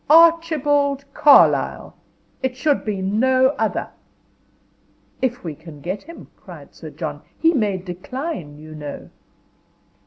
Archibald Carlyle. It should be no other. "If we can get him," cried Sir John. "He may decline, you know."